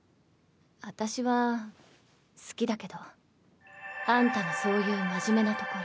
私は好きだけどあんたのそういう真面目なところ。